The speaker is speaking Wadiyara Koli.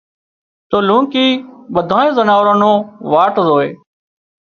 تو لونڪِي ٻڌانئين زناوارن نو واٽ زوئي